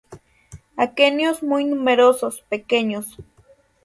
Aquenios muy numerosos, pequeños.